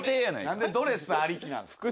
何でドレスありきなんすか。